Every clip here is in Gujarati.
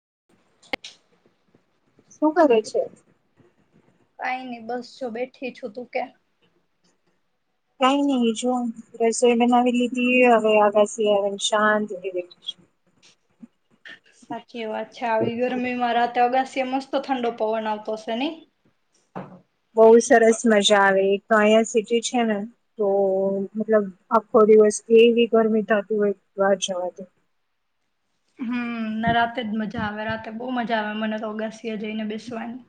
[inaudible] શું કરે છે? કઈ નઈ બસ જો બેઠી છુ, તુ કે? કઈ નઈ જો રસોઈ બનાવી લીધી, હવે અગાસી યે શાંતિથી બેઠીસુ. [inaudible] કે [unintelligible] ચ્છા આવી ગરમીમાં રાતે અગાસી મસ્ત તો ઠંડો પવન આવતો હશે નહીં? બહુ સરસ મજા આવે, એક તો અહીંયા સિટી છે ને, તો મતલબ આખો દિવસ એવી ગરમી થતી હોય બહાર જવાથી. હમ્મ ન રાતે જ મજા આવે, રાતે બહુ મજા આવે મને તો ઓગાસીએ જઈને બેસવાની.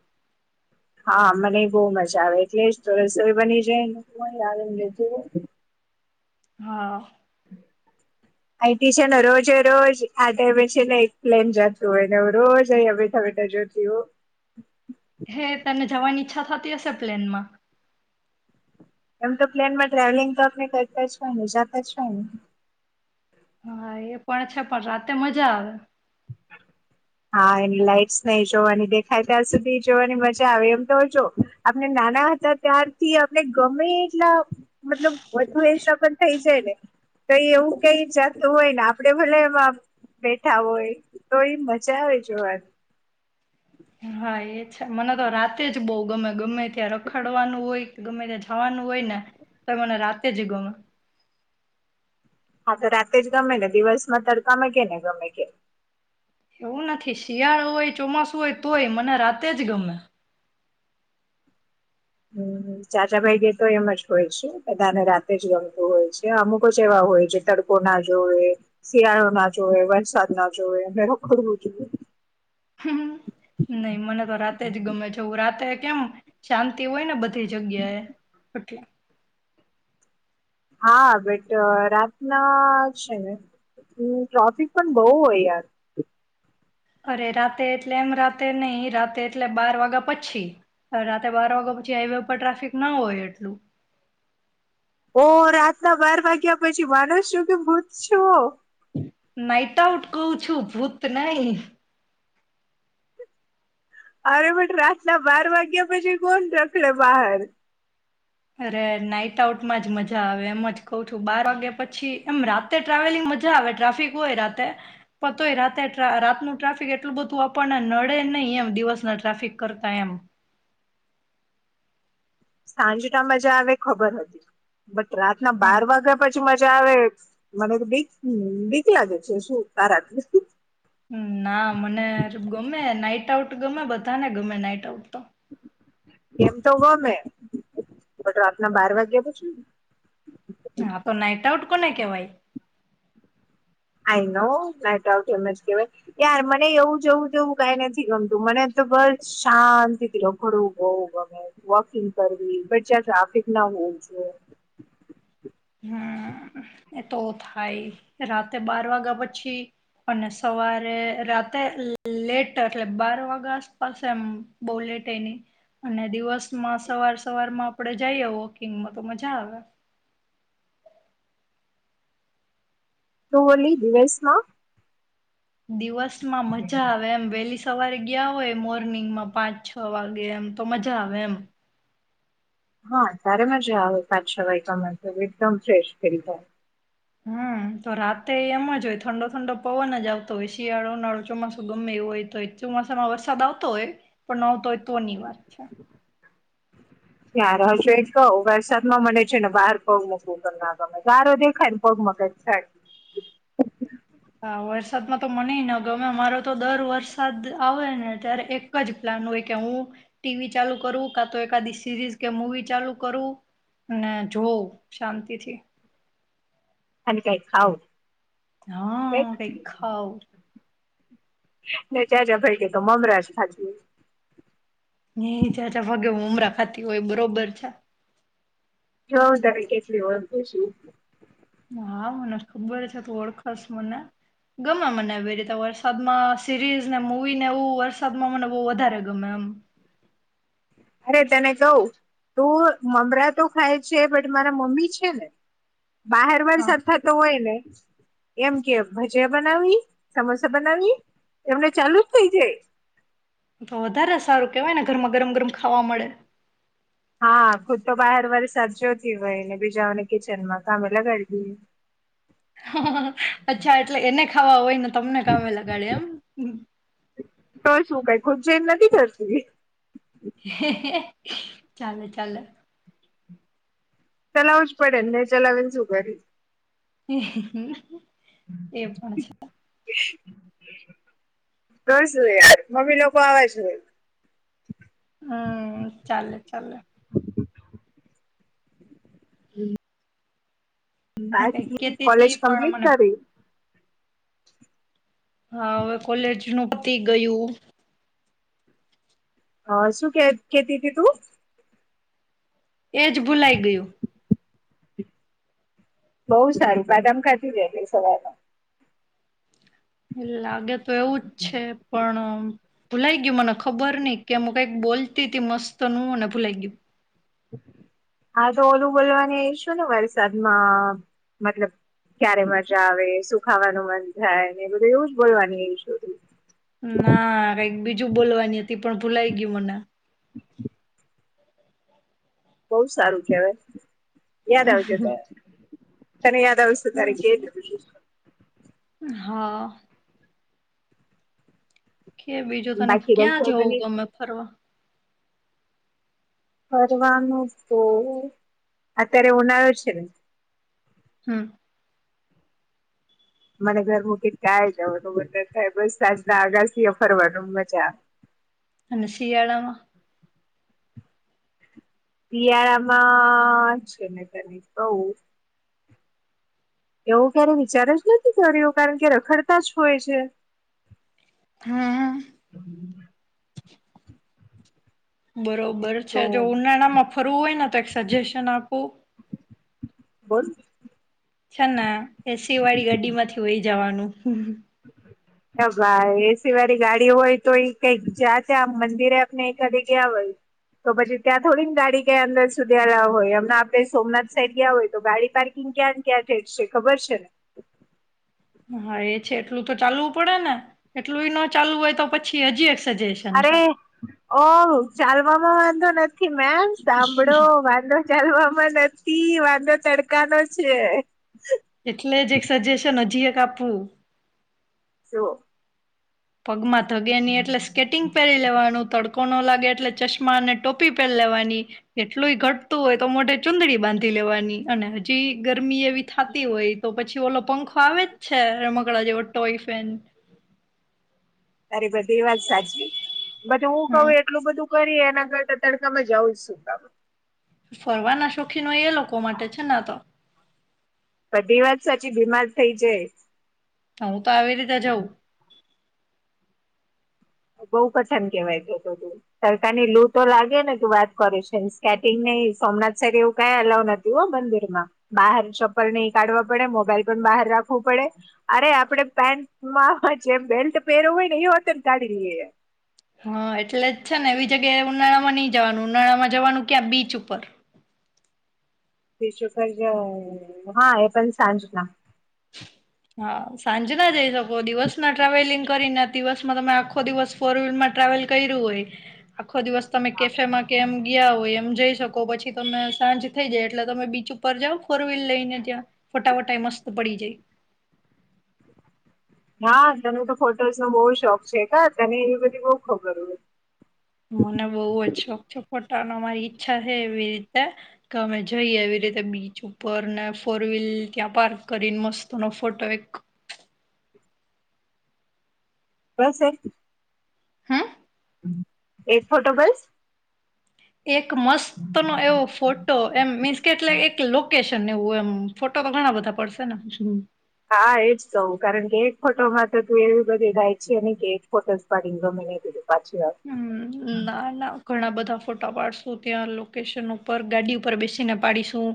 હા મને બહુ મજા આવે, એટલે જ તો રસોઈ બની જાય [inaudible] હા. અહીથી છે ને રોજે રોજ આ ટાઈમે છે ને એક પ્લેન જતું હોય, ને રોજ અહીયા બેઠા બેઠા જોતી હો. હે તને [unintelligible] થતી હશે પ્લેનમાં. એમ તો પ્લેન માં ટ્રાવેલિંગ તો આપને કરતા જ હોય, ને જાતા જ હોય ને. અ યે પણ છે, પણ રાતે મજા આવે. હા એની લાઈટસ નહી જોવાની દેખાય ત્યાં સુધી જોવાની મજા આવે, એમ તો જો આપણે નાના હતા ત્યારથી આપને ગમે એટલા મતલબ વધુ એસા પણ થઈ જાય ને તો એ એવું કઈ જાતું હોય ને આપણે ભલે એમાં બેઠા હોય તો એ મ જા હોય જો વાની. હા એ છે, મને તો રાતે જ બહુ ગમે. ગમે ત્યાં રખડવાનું હોય કે ગમે ત્યાં જવાનું હોય ને તો મને રાતે જ ગમે. હા તો રાતે જ ગમે ને, દિવસમાં તડકામે કે ને ગમે કે. ઉ નથી શિયાળો હોય, ચોમાસું હોય તોય, મને રાત તે જ ગમે. હમ્મ ચાચા ભાઈ ગ તો એમ જ હોય છે, બધાને રાતે જ ગમતું હોય છે અમુક જ એવા હોય છે તડકો ના જોવેએ, શિયાળો ના જોવે, વરસાદ ના જોવેએ, અને રખડવું જોઈએ. નહી મને તો રાતે જ ગમે છે. હું રાતે કેમ શાંતિ હોય ને બધ તે જગ્યા એ. [unintelligible] હા બટ રાતના છે ને ટ્રાફિક પણ બહુ હોય યાર. અરે રાતે એટલે એમ રાતે નહિ, રાતે એટલે બાર વાગ્યા પછી રાતે બાર વાગ્યા પછી હાઈવે ઉપર ટ્રાફિક ના હોય એટલું. ઓ રાતના બાર વાગ્યા પછી માણસ છું કે ભૂત છુ. નાઈટ આઉટ કઉ છું ભૂત નય. અરે પણ રાતના બાર વાગ્યા પછી કોણ રખડે બહાર. અરે, નાઈટ આઉટમાં જ મજા આવે, એમ જ કહ છું બાર વાગ્યા પછી એમ રાતે ટ્રાવેલિંગ મજા આવે ટ્રાફિક હોય રાતે પણ તોય રાતે રાતનું ટ્રાફિક એટલું બધું આપણને નડે નહી, એમ દિવસના ટ્રાફિક કરતા એમ. સાંજના મજા આવે ખબર હતી. રાતના હમ બાર વાગા પછ મજા આવે, મને ત બીક બીક લાગે છે શું તારાથી. ના મને ગમે નઈટ [unintelligible] ગમે બધાને ગમે નાઈટ આઉટ તો એતો ગમે [unintelligible] રાતના બાર વાગ્યા પછી હા તો નાઈટ આઉટ કોને કેવાય આઈ નો નાઇટઆઉટ એમ જ કેવાય યાર મને એવું જવું જવું કઈ નથી ગમતું મને તો બસ શાંતિથી રખડવું બઉ ગમે વોકિંગ કરવી બટ જં ટ્રાફિક ના હોવ જોઈએ. હમ એ તો થાય રાતે બાર વાગ્યા પછી અને સવારે રાતે લેટ એટલે બાર વાગ્યા આસપાસ એમ બો લેટ એ ની અને દિવસ માં સવાર સવાર મા આપડે જઈએ વોકિંગમાં તો મજા આવે. તુ [unintelligible] દિવસમાં મજા આવે એમ વેલી સવારે ગયા હોય મોર્નિંગમાં પાંચ છ વાગે એમ તો મજા આવે એમ હા તારે મજા આવે પાછ છ વાયગા હોય એકદમ ફ્રેશ થઈ જાય હમ તો રાતે એમ જ હોય ઠંડો ઠંડો પવન જ આવતો હોય શિયાળો ઉનાળો ચોમાસું ગમે એઇ હોય તો ચોમાસામાં વરસાદ આવતો હોય પણ ન આવતો હોય તોની વાત છે. ત્યાં [unintelligible] કવ વરસાદમાં મને છે ને બહાર પગ મૂકવું [unintelligible] ગારો દેખાયને પગ મા કાયક થાય હા વરસાદમાં તો મને ય ન ગમે મારો તો દર વરસાદ આવે ને ત્યારે એક જ પ્લાન હોય કે હું ટીવી ચાલુ કરું કા તો એકાદી સિરીઝ કે મવી ચાલુ કરું અને જોઉં શાંતિથી અને કઈ ખાવ હ દેખાવ જ્યાં જ્યા ભાઈ કે તો મમરાજ ખા [unintelligible] મમરા ખાતી હોય બરોબર છે હા તમે કેટલી હોત [unintelligible] છું હા મને ખબર છે ત ઓળખશ મને ગમે મને રીતે વરસાદમાં સિરીઝ ને મવી ને એવું વરસાદમાં મને બો વધારે ગમે એમ અરે તને કહ તું મમરા તો ખાય છે બટ મારા મમ્મી છે ને બહાર હા વરસાદ થતો હોય ને એમ કે ભજીયા બનાવી સમોસા બનાવીવી એમને ચાલુ જ થઇ જાય. તો વધારે સારું કેવાય ને ઘરમાં ગરમ ગરમ ખાવા મળે. હા ખુદ તો બહાર વરસાદ જોતી હોય ને બીજાઓને કિચન માં કામે લગાડી દઈ. અચ્છા એટલે એને ખાવા હોય ન તમને કામે લગાડે એમ તુ કાય ખુદ ચેન્જ નથી થતી હેહે ચાલો ચાલો ચલાવું જ પડે ને નહી, ચલાવી ને શું કરી. [inaudible] [unintelligible] [unintelligible] હવે અમે લોકો આવા છે. હમ્મ ચાલે ચાલે. હમ્મ. હું કઈ [unintelligible] કેતી કોલેજ હતી પણ કમ્પ્લીટ મને કરી. હા હવે કોલેજ નું પતી ગયું. અ શું કે કેતી હતી તું. એજ ભૂલાઈ ગયું. બહુ સારું બાદામ ખાતી જ એટલે સવારે. લાગે તો એવું જ છે, પણ ભૂલાઈ ગયું મને ખબર નઈ કે હું કઈક બોલતી તી મસ્ત નું ને ભૂલાઈ ગયું. હા તો ઓલું બોલવાની ઈસુ ને વરસાદમાં મતલબ ક્યારે મજા આવે સુખાવાનું મન થાય, ને એ બધું એવું જ બોલવાની ઈ [unintelligible] તે પણ ભૂલાઈ ગયું મને. બો સારું કહેવાય. યાદ આવજો [unintelligible] તને યાદ આવશે તારી [unintelligible] હા. કે, બીજું તને બાકી ક્યાં જવું રસોઈ ગમે ફરવા? ફરવાનું તો, અત્યારે ઉનાળો છે, ને હમ્મ. મને ઘર મુકીન ક્યાંય જવાનું મન ના થાય, બસ સાંજના અગાસીએ ફરવાનું, મજા. અને શિયાળામાં? શિયાળામાં, છે ને તને કહુ એવો ક્યારે વિચાર જ નથી કર્યો, કારણ કે રખડતા જ હોય છે. હા. બરો બર તો છે, જો ઉનાળામાં ફરવું હોયને તો એક સજેશન આપું? બોલ? છે ને એસીવાળી ગાડીમાંથી વહી જાવાનું. હમ. ભાઈ, એ સી વાળી ગાડી હોય, તો ઈ કંઈક જ્યાં ત્યાં મંદિરે આપને એકાદ જગ્યાએ ગ્યા હોય, તો પછી ત્યાં થોડીન ગાડી કંઈ અંદર સુધી અલાવ હોય, અમના આપણે સોમનાથ સાઈડ ગ્યા હોય, તો ગાડી પાર્કિંગ ક્યાં ક્યાં ઠેક છે, ખબર છે ને? હા, એ છે એટલું તો ચાલવું પડે ને, એટલું ય નો ચાલવું હોય તો પછી હજી સજેશન અરે, છે ઓ, ચાલવામાં વાં [inaudible] મેમ સાંભળો વાંધો ચાલવામાં નથી. ઈ વાંધો તડકાનો છે એટલે જ એક સજેશન હજીએ કાપવું સો- પગમાં... ધગે ની એટલે સ્કેટિંગ પહેરી લેવાનું થોડું કોનો લાગે એટલે ચશ્મા અને ટોપી પહેન લેવાની એટલુંય ઘટતું હોય તો મોઢે ચુંદડી બાંધી લેવાની અને હજીય ગરમી એવી થાતી હોય તો પછી ઓલો પંખો આવે જ છે રમકડાં જેવો ટોય ફેન બરીબર એ વાત સાચી બટ હું કઉું હમ એટલું બધું.. કરી એના કરતા તડકામાં જાવું જ શું કામ ફરવાના શોખીન હોય એ લોકો માટે છે ને આ તો બધી વાત સાચી બીમાર થઇ જાય હું તો આવી રીતે જઉં બઉ પછન કેવાય તો તો સરકારની લું તો લાગે ને કે વાત કર છે સ્કેટિંગ નહી સોમનાથ સાઇટ એવું કાઈ અલાવ નથી હો મંદિરમાં બહાર ચપ્પલ નહી કાઢવા પડે મોબાઈલ પણ બહાર રાખવું પડે અરે આપડે પેન્ટમાં જે બેલ્ટ પહેરું હોય ને એ હોતન ફ [unintelligible] હા એટલે જ છે ને એવી જગ્યાએ ઉનાળામાં નઈ જવાનું ઉનાળામાં જવાનું ક્યાં બીચ ઉપર બીચ ઉપર જ હા એ પણ સાંજના હા સાંજ ના જઈ શકો દિવસ ના ટ્રાવેલિંગ કરીને દિવસમાં તમે આખો દિવસ ફોર વ્હીલરમાં ટ્રાવેલ કર્યું હોય આખો દિવસ તમે કેફેમાં કે એમ ગિયા હોય એમ જઈ શકો પછી તમે સાંજ થઈ જાય એટલે તમે બીચ ઉપર જઓ ફોર વ્હીલ લઈને ત્યાં ફોટાવોટાએ મસ્ત પડી જાય. વાહ તને તો ફોટોસ નો બહુ શોખ છે કા તને એવી બધી બહું ખબર હોય. મને બવ જ શોખ છે પણ અને મારી ઈચ્છા છે એવી રીતે કે અમે જઈએ એવી રીતે બીચ ઉપર ને ફોર વ્હીલ ત્યાં પાર્ક કરીને મસ્ત નો ફોટો એક બસ [inaudible] હમ એક ફોટો બસ? એક મસ્ત નો એવો ફોટો એમ મીન્સ કે એટલે એક લોકેશન અને એવું એમ ફોટો તો ઘણા બધા પડશે ને? હા એજ કવું કારણ કે એક ફોટોમાં તો તું એવી બધી ડાય છે નઈ કે એક ફોટોસ પાડીને નીકળી પાછી આવ. હમ ના ના ઘણા બધા ફોટા પાડશું ત્યાં લોકેશન ઉપર ગાડી ઉપર બેસીને પાડીશું.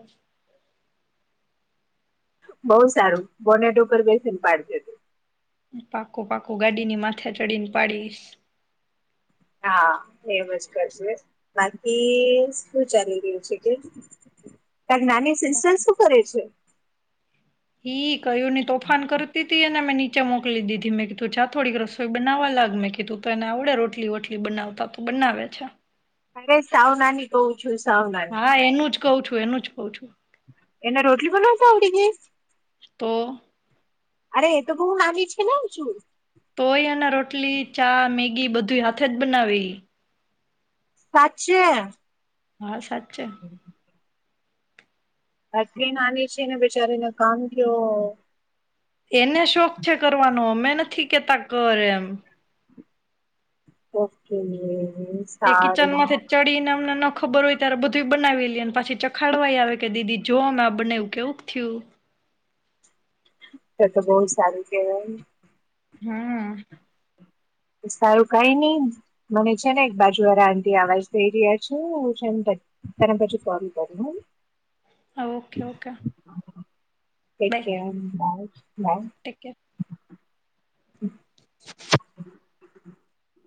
બહુ સારું બોનેટ ઉપર બેસીને પાડ જે તું. પાકું પાકું ગાડીની માથે ચડીને પાડીશ. હા એમજ કરશે બાકી શું ચાલી રહ્યું છે કે. તારી નાની સિસ્ટર શું કરે છે? ઈ કયુંની તોફાન કરતી તી અને મેં નીચ નીચે મોકલી દીધી મેં કીધું જા થોડીક રસોઈ બનાવવા લાગ મેં કીધું તો એને આવડે રોટલી વોટલી બનાવતા તો બનાવે છે. અરે સાવ નાની ક્વ છું સાવ નાની. હા એનું જ કઉ છું એનું જ કઉ છું. એને રોટલી બનાવતા આવડી ગઈ? તો. અરે એ તો બહુ નાની છે ને હજુ. તોય એને રોટલી, ચા, મેગી બધું હાથે જ બનાવે ઈ. સાચે? હા સાચ ચે. આટલી નાની છે ને બેચારિને કામ કયો હો. એને શોખ છે કરવાનો અમે નથી કેતા કર એમ. ઓકે. એ કિચન સારું માંથી ચડીને અમને ન ખબર હોય ત્યારે બધું બનાવી લે ને પછી ચખાડવાઈ આવે કે દીદી જો મે આ બનાવ્યું કેવુંક થયું? તે તો બહુ સારું કેવાય. હમ્મ. સારું કઈ નહી મને છે ને એક બાજુ વાળા આંટી અવાજ દઈ રહ્યા છે. હું છેન તને પછી કોલ કરું હે. હ ઓકે ઓકે. કઈક બાય કેન ભાઈ લાઇન. Take care [inaudible]